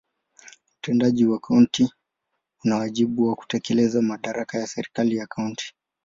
Utendaji wa kaunti una wajibu wa kutekeleza madaraka ya serikali ya kaunti.